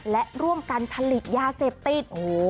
และร่วมกันผลิตยาเสพติด